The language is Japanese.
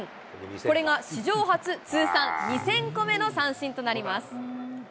これが史上初、通算２０００個目の三振となります。